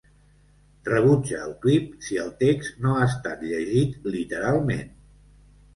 Rebutge el clip si el text no ha estat llegit literalment.